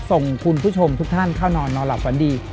ส่งคุณผู้ชมทุกท่านเข้านอนนอนหลับฝันดี